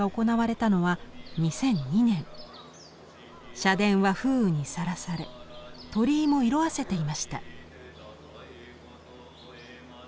社殿は風雨にさらされ鳥居も色あせていました。